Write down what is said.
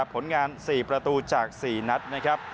ผลงาน๔ประตูจาก๔นัดนะครับ